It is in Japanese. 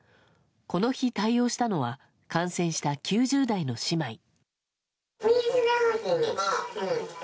この日、対応したのは感染した９０代の姉妹。